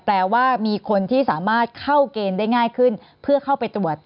แปลว่ามีคนที่สามารถเข้าเกณฑ์ได้ง่ายขึ้นเพื่อเข้าไปตรวจ